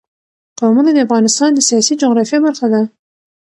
قومونه د افغانستان د سیاسي جغرافیه برخه ده.